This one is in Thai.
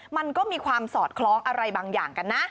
มันก็มีความสอดคล้องอะไรบางอย่างกันนะ